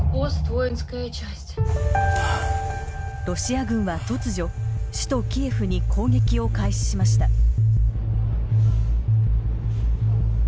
ロシア軍は突如、首都キエフに攻撃を開始しました。